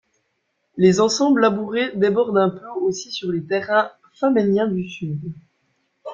Les ensembles labourés débordent un peu aussi sur les terrains famenniens du sud.